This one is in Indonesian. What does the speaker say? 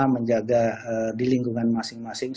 menjaga di lingkungan masing masing